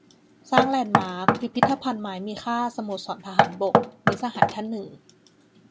"สร้างแลนด์มาร์ค พิพิธภัณฑ์ไม้มีค่า สโมสรทหารบก" - มิตรสหายท่านหนึ่ง